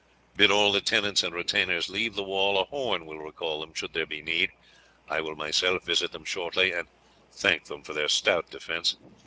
Bid all the tenants and retainers leave the wall; a horn will recall them should there be need. I will myself visit them shortly, and thank them for their stout defence.